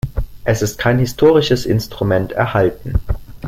Es ist kein historisches Instrument erhalten.